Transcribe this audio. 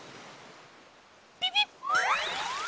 ピピッ！